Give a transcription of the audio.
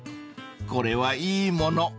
［これはいいもの